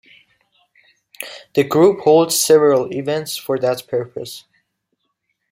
The group holds several events for that purpose.